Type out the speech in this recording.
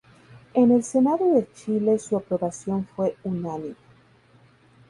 En el Senado de Chile su aprobación fue unánime.